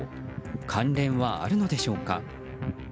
関連はあるのでしょうか。